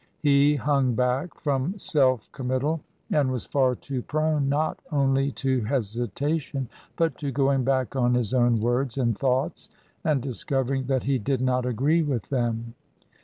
He hung back from self committal, and was far too prone not only to hesitation, but to going back on his own words and thoughts and discovering that he did not agree with them.